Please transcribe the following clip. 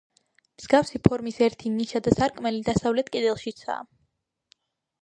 მსგავსი ფორმის ერთი ნიშა და სარკმელი დასავლეთ კედელშიცაა.